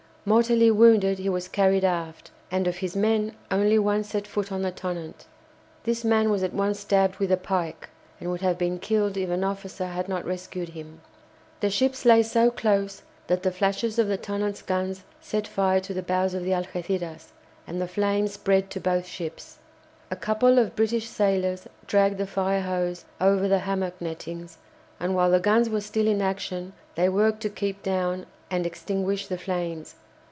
Mortally wounded, he was carried aft, and of his men only one set foot on the "Tonnant." This man was at once stabbed with a pike, and would have been killed if an officer had not rescued him. The ships lay so close that the flashes of the "Tonnant's" guns set fire to the bows of the "Algéciras," and the flames spread to both ships. A couple of British sailors dragged the fire hose over the hammock nettings, and while the guns were still in action they worked to keep down and extinguish the flames.